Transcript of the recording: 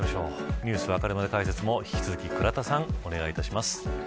ＮＥＷＳわかるまで解説も引き続き倉田さんお願いします。